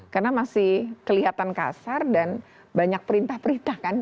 karena masih kelihatan kasar dan banyak perintah perintah kan